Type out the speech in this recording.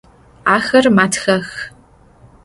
Axer matxex.